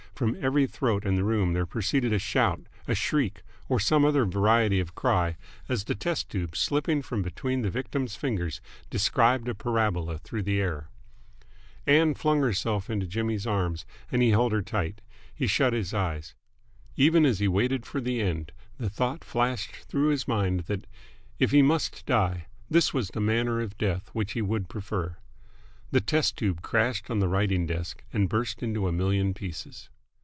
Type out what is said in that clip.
From every throat in the room there proceeded a shout, a shriek, or some other variety of cry, as the test tube, slipping from between the victim's fingers, described a parabola through the air. Ann flung herself into Jimmy's arms, and he held her tight. He shut his eyes. Even as he waited for the end the thought flashed through his mind that, if he must die, this was the manner of death which he would prefer. The test tube crashed on the writing desk, and burst into a million pieces.